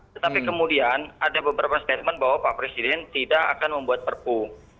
tetapi kemudian ada beberapa statement bahwa pak presiden tidak akan membuat perpu